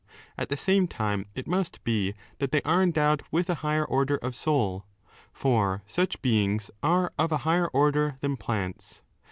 At the same time it must be that they are endowed with a higher order of souL For such beings are of a higher order than plants.